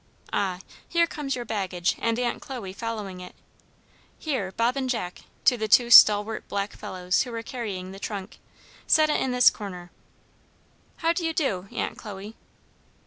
Ah, here comes your baggage and Aunt Chloe following it. Here, Bob and Jack," to the two stalwart black fellows who were carrying the trunk, "set it in this corner. How d'ye do, Aunt Chloe?"